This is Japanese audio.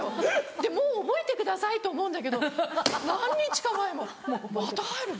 でもう覚えてくださいと思うんだけど何日か前も「また入るの？